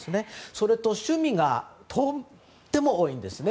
それと趣味がとっても多いんですね。